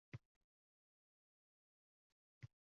Yoshlar forumi va festivallari o'tkazildi